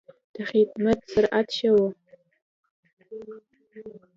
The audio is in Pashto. د خدمت سرعت ښه و.